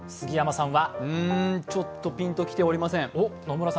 うん、ちょっとピンときておりません。